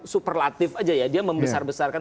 superlatif aja ya dia membesar besarkan